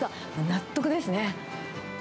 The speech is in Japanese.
納得ですね。